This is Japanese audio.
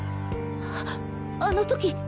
ああの時。